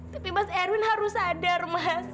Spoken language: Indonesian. tapi mas erwin harus sadar mas